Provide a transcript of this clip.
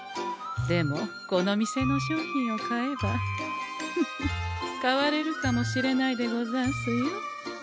でもこの店の商品を買えばフフ変われるかもしれないでござんすよ。